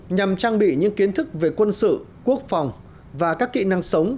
nhằm trang bị những kiến thức về quân sự quốc phòng và các kỹ năng sống